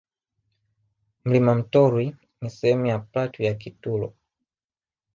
Mlima Mtorwi ni sehemu ya platu ya Kitulo